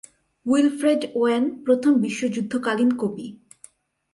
Wilfred Owen প্রথম বিশ্বযুদ্ধকালীন কবি।